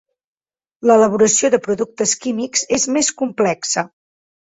L'elaboració de productes químics és més complexa.